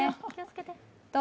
どう？